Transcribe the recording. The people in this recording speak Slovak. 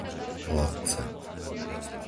Ladce